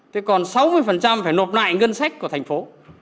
thế còn sáu mươi phải nộp lại ngân sách của thành phố